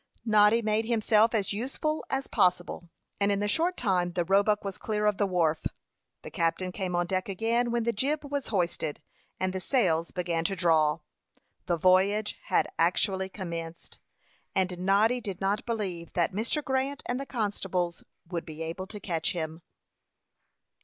Noddy made himself as useful as possible, and in a short time the Roebuck was clear of the wharf. The captain came on deck again, when the jib was hoisted, and the sails began to draw. The voyage had actually commenced, and Noddy did not believe that Mr. Grant and the constables would be able to catch him.